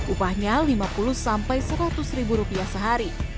upahnya lima puluh sampai seratus ribu rupiah sehari